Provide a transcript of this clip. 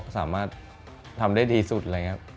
สามารถทำได้ดีสุดอะไรอย่างนี้ครับ